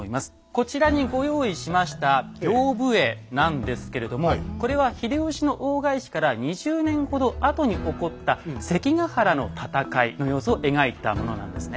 こちらにご用意しました屏風絵なんですけれどもこれは秀吉の大返しから２０年ほど後に起こった関ヶ原の戦いの様子を描いたものなんですね。